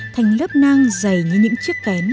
thành lớp nang dày như những chiếc kén